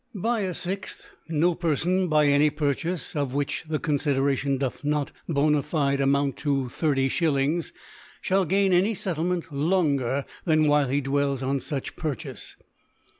By a fixth §, no Perfon by any Purchafe, of which the Confideration doth noc bona fide amoiMit to 30/. fhall gain any Settle ment longer than while he dwells on fuch Purchafe.